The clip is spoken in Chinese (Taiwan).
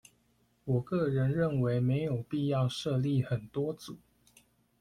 我個人認為沒有必要設立很多組